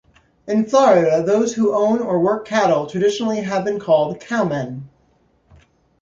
In Florida, those who own or work cattle traditionally have been called cowmen.